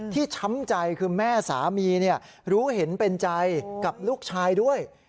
ช้ำใจคือแม่สามีรู้เห็นเป็นใจกับลูกชายด้วย